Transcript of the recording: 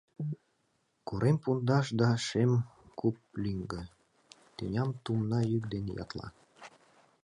Корем пундаш да шем куп лӱҥгӧ Тӱням тумна йӱк ден ятла.